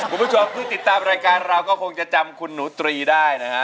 คุณผู้ชมที่ติดตามรายการเราก็คงจะจำคุณหนูตรีได้นะฮะ